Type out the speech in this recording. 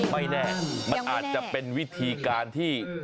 ไม่แน่มันอาจจะเป็นวิธีการที่